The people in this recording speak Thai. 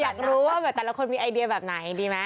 อยากรู้ว่าแต่ละคนมีไอเดียแบบไหนดีไหม